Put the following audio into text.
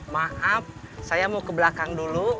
maaf saya mau ke belakang dulu